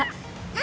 あ！